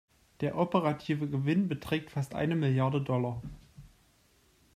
Der operative Gewinn beträgt fast eine Milliarde Dollar.